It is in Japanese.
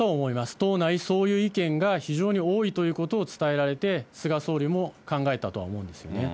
党内、そういう意見が非常に多いということを伝えられて、菅総理も考えたとは思うんですよね。